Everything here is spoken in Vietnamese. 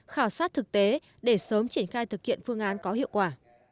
khảo sát thực tế để sớm triển khai thực hiện phương án có hiệu quả